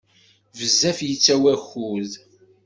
Bezzef yettawi akud.